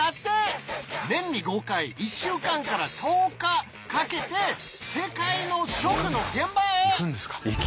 年に５回１週間から１０日かけて世界の食の現場へ！